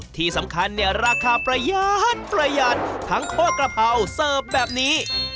ที่สำคัญราคาประหยาดทั้งโฆษกะเพราเสิร์ฟแบบนี้